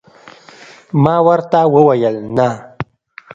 ما ورته وویل: نه.